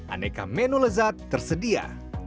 aneka menu lezat tersedia